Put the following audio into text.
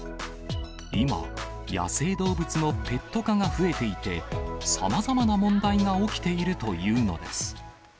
今、野生動物のペット化が増えていて、さまざまな問題が起きているというのです。